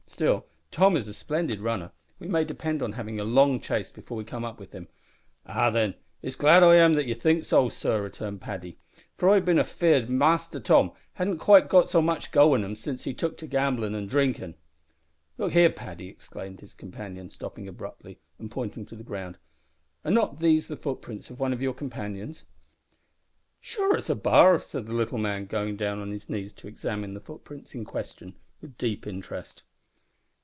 Still Tom is a splendid runner. We may depend on having a long chase before we come up with him." "Ah, then, it's glad I am that ye think so, sor," returned Paddy, "for I've been afear'd Mister Tom hadn't got quite so much go in him, since he tuk to gambling and drinkin'." "Look here, Paddy," exclaimed his companion, stopping abruptly, and pointing to the ground, "are not these the footprints of one of your friends?" "Sure it's a bar," said the little man, going down on his knees to examine the footprints in question with deep interest.